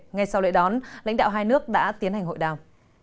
ngay sau lễ đón lãnh đạo hai nước đã tiến hành hội đàm